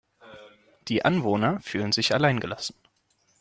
Die Anwohner fühlen sich allein gelassen.